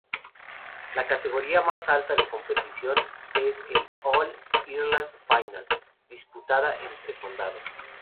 La categoría más alta de competición es la "All-Ireland Final", disputada entre condados.